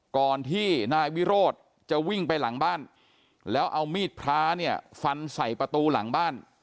ก่อนที่นายวิโรธจะวิ่งไปหลังบ้านแล้วเอามีดพระเนี่ยฟันใส่ประตูหลังบ้าน